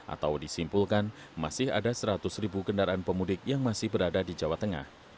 atau disimpulkan masih ada seratus ribu kendaraan pemudik yang masih berada di jawa tengah